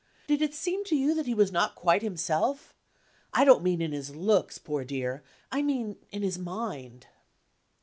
Did it seem to you that he was not quite himself? I don't mean in his looks, poor dear I mean in his mind."